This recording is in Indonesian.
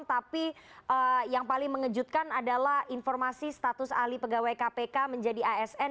tapi yang paling mengejutkan adalah informasi status ahli pegawai kpk menjadi asn